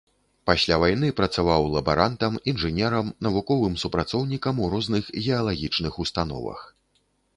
Пасля вайны працаваў лабарантам, інжынерам, навуковым супрацоўнікам у розных геалагічных установах.